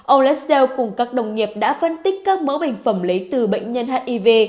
ông lessell cùng các đồng nghiệp đã phân tích các mẫu bệnh phẩm lấy từ bệnh nhân hiv